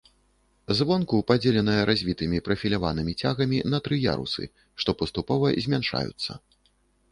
Звонку падзеленая развітымі прафіляванымі цягамі на тры ярусы, што паступова змяншаюцца.